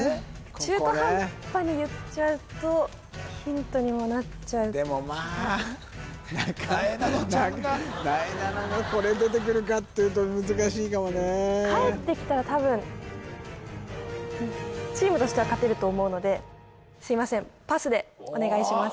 中途半端に言っちゃうとヒントにもなっちゃうでもまあなえなのちゃんがなえなのがこれ出てくるかっていうと難しいかもねかえってきたら多分うんチームとしては勝てると思うのですいませんパスでお願いします